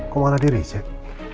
kok malah di reject